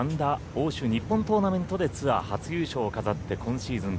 欧州・日本トーナメントでツアー初優勝を飾って今シーズン